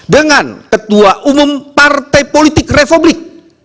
dengan ketua umum partai politik republik